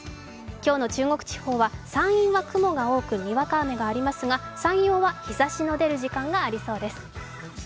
今日の中国地方は山陰が雲が多くにわか雨がありそうですが、山陽は日ざしの出る時間がありそうです。